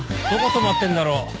どこ泊まってんだろう。